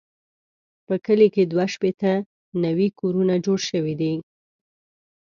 په کلي کې دوه شپېته نوي کورونه جوړ شوي دي.